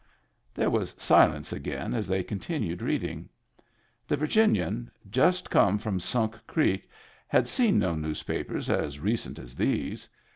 There was silence again as they continued reading. The Virginian, just come from Sunk Creek, had seen no newspapers as recent as these.